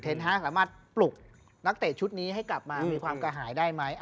สามารถปลุกนักเตะชุดนี้ให้กลับมามีความกระหายได้ไหม